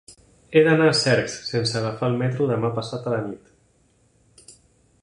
He d'anar a Cercs sense agafar el metro demà passat a la nit.